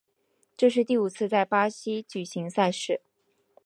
这是第五次在巴西举行赛事。